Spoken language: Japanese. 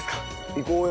いこうよ！